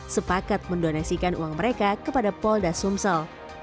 sepakat mendonasikan uang mereka kepada polda sumsel